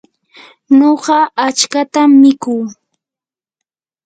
nuqa achkatam mikuu.